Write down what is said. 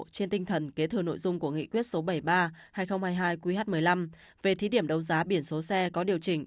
trên tinh thần kế thừa nội dung của nghị quyết số bảy mươi ba hai nghìn hai mươi hai qh một mươi năm về thí điểm đấu giá biển số xe có điều chỉnh